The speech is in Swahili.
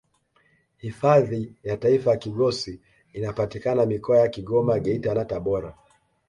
hifadhi ya taifa kigosi inapatikana mikoa ya kigoma geita na tabora